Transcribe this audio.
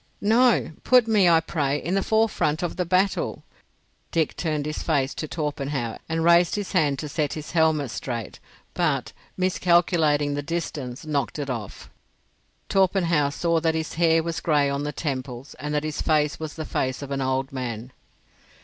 "No. Put me, I pray, in the forefront of the battle." Dick turned his face to Torpenhow and raised his hand to set his helmet straight, but, miscalculating the distance, knocked it off. Torpenhow saw that his hair was gray on the temples, and that his face was the face of an old man.